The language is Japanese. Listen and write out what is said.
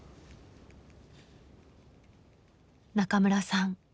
中村さん